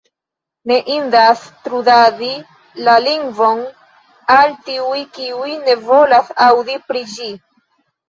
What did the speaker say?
Ne indas trudadi la lingvon al tiuj, kiuj ne volas aŭdi pri ĝi.